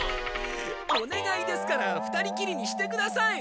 おねがいですから２人きりにしてください！